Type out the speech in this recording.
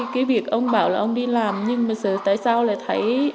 khai cái việc ông bảo là ông đi làm nhưng mà giờ tại sao lại thấy